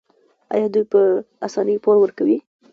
آیا دوی په اسانۍ پور ورکوي؟